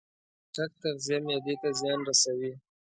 چټک تغذیه معدې ته زیان رسوي.